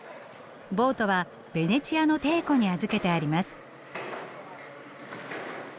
ボートはベネチアの艇庫に預けてあります。